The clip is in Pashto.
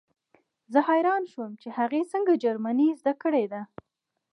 زه حیران شوم چې هغې څنګه جرمني زده کړې ده